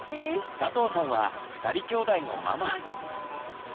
佐藤さんは２人きょうだいのママ。